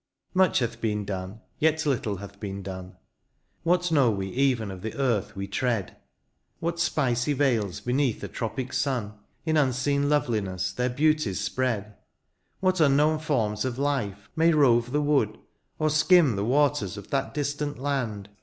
Much hath been done — ^yet little hath been done. What know we even of the earth we tread ? What spicy vales beneath a tropic sun. In unseen loveliness their beauties spread ? What unknown forms of life may rove the wood. Or skim the waters of that distant land.